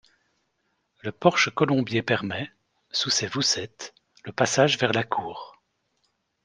Le porche-colombier permet, sous ses voussettes, le passage vers la cour.